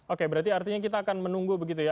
oke berarti artinya kita akan menunggu begitu ya